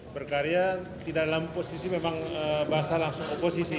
berkarya tidak dalam posisi memang bahasa langsung oposisi